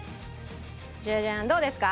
ジャジャンどうですか？